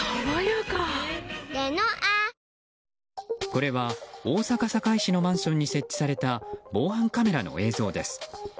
これは大阪・堺市のマンションに設置された防犯カメラの映像です。